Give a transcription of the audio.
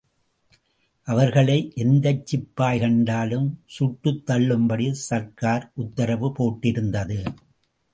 அவர்களை எந்தச் சிப்பாய் கண்டாலும் சுட்டுத்தள்ளும்படி சர்க்கார் உத்தரவு போட்டிருந்தது.